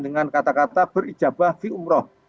dengan kata kata berijabah di umroh